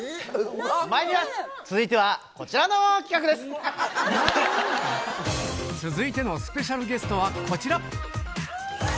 まいります、続いてはこちら続いてのスペシャルゲストはこちら。